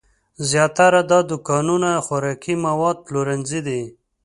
زیاتره دا دوکانونه خوراکي مواد پلورنځي دي.